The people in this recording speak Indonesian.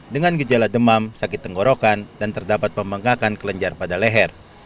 dengan gejala demam sakit tenggorokan dan terdapat pembengkakan kelenjar pada leher